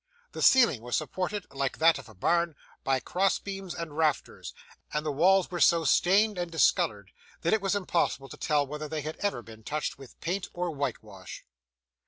The ceiling was supported, like that of a barn, by cross beams and rafters; and the walls were so stained and discoloured, that it was impossible to tell whether they had ever been touched with paint or whitewash.